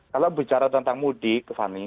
kalau bicara tentang mudik fani